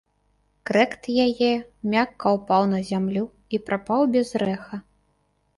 Крэкт яе мякка ўпаў на зямлю і прапаў без рэха.